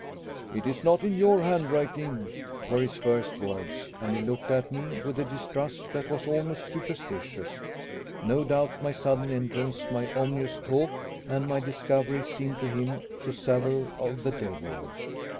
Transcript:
"It is not in your handwriting?" were his first words; and he looked at me with a distrust that was almost superstitious. No doubt my sudden entrance, my ominous talk, and my discovery seemed to him to savor of the devil.